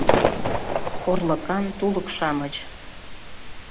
— «Орлыкан тулык-шамыч»